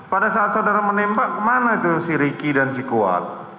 pada saat saudara menembak kemana itu si riki dan si kuat